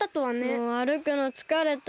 もうあるくのつかれた。